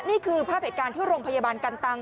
นี่คือภาพเหตุการณ์ที่โรงพยาบาลกันตัง